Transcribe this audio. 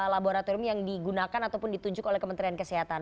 laboratorium yang digunakan ataupun ditunjuk oleh kementerian kesehatan